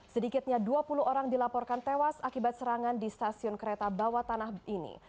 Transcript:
sedikitnya dua puluh orang dilaporkan tewas akibat serangan di stasiun kereta bawah tanah ini